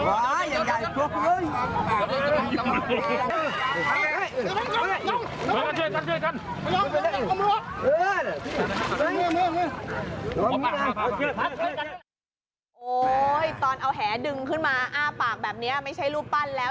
โอ้โหตอนเอาแหดึงขึ้นมาอ้าปากแบบนี้ไม่ใช่รูปปั้นแล้ว